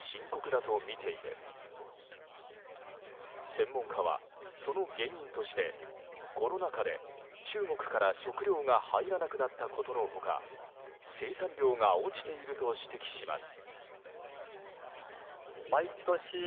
専門家はその原因としてコロナ禍で中国から食料が入らなくなったことの他生産量が落ちていると指摘します。